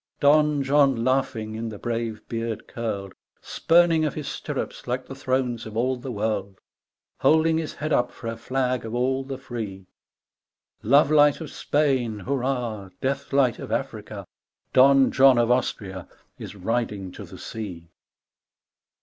Don John laughing in the brave beard curled, Spurning of his stirrups like the thrones of all the world, G. K. CHESTERTON 39 Holding his head up for a flag of all the free. Love light of Spain hurrah I Death light of Africa 1 Don John of Austria Is riding to the sea.